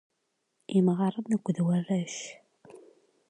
Imɣaren akked warrac!